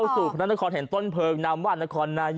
แทนต้นเพอร์งนำวันค่ะ